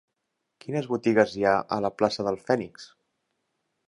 Quines botigues hi ha a la plaça del Fènix?